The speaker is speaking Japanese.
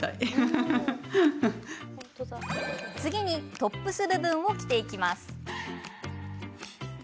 次にトップス部分を着ていきます。